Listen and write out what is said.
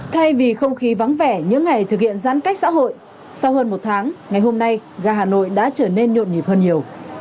thay vì không khí vắng vẻ những ngày thực hiện giãn cách xã hội sau hơn một tháng ngày hôm nay gà hà nội đã trở nên nhộn nhịp hơn nhiều